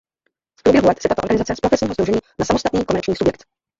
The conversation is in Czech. V průběhu let se tato organizace z profesního sdružení na samostatný komerční subjekt.